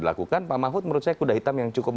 dilakukan pak mahfud menurut saya kuda hitam yang cukup